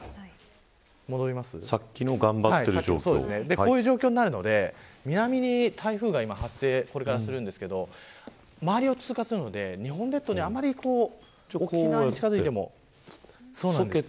こういう状況になるので南に台風がこれから発生するんですけど周りを通過するので日本列島にあまり、沖縄に近づいても。